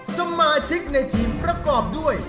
สมาชิกในทีมประกอบด้วย